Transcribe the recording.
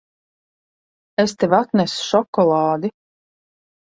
Es tev atnesu šokolādi.